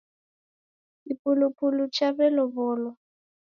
Kipulupulu chawelowolwa